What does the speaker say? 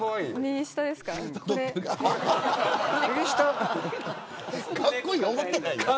かっこいいと思ってないやん。